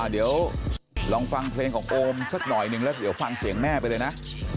เดี๋ยวลองฟังเพลงของโอมสักหน่อยหนึ่งแล้วเดี๋ยวฟังเสียงแม่ไปเลยนะ